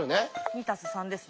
「２＋３」ですね。